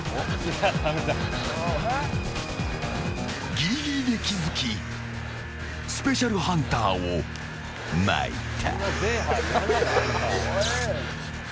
ギリギリで気づきスペシャルハンターをまいた。